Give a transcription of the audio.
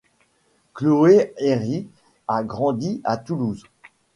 Chloé Herry a grandi à Toulouse.